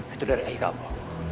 itu dari ayah kamu